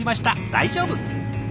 大丈夫！